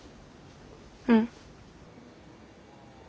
うん。